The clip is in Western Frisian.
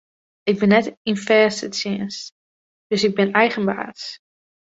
Ik bin net yn fêste tsjinst, dus ik bin eigen baas.